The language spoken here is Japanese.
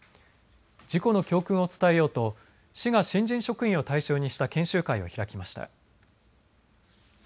事故の教訓を伝えようと市が新人職員を対象にした研修会を開きました。